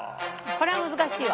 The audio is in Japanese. これは難しいわ。